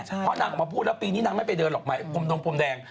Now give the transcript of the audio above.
เพราะนางออกมาพูดแล้วปีนี้นางไม่ไปเดินหรอกหมายพรมนงพรมแดง